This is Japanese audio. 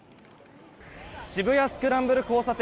渋谷スクランブル交差点